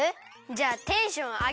じゃあテンションあげ